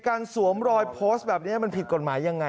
สวมรอยโพสต์แบบนี้มันผิดกฎหมายยังไง